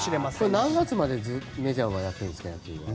何月までメジャーはやっているんですか？